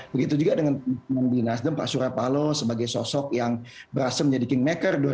begitu juga dengan nasional pak surya palo sebagai sosok yang berhasil menjadi kingmaker dua ribu empat belas